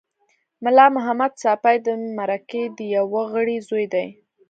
ملا محمد ساپي د مرکې د یوه غړي زوی دی.